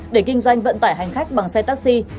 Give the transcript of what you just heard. để kinh doanh vận tải hành khách bằng xe taxi